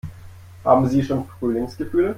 Haben Sie schon Frühlingsgefühle?